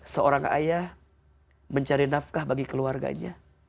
seorang ayah mencari nafkah bagi keluarganya